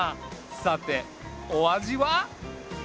さてお味は？